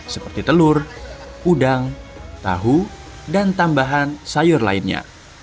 seperti telur udang tahu dan tambahan sayur lainnya